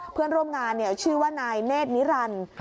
เพื่อนร่วมงานชื่อว่านายเนธนิรันดิ์